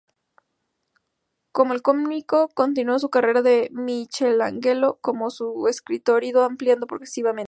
Como el cómico continuó su carrera de Michelangelo como un escritor ido ampliando progresivamente.